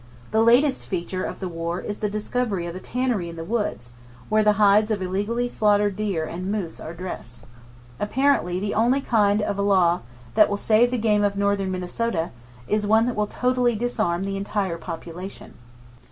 The latest feature of the war is the discovery of a tannery in the woods, where the hides of illegally slaughtered deer and moose are dressed. Apparently the only kind of a law that will save the game of northern Minnesota is one that will totally disarm the entire population.